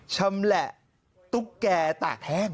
ชำแหละตุ๊กแก่ตากแห้ง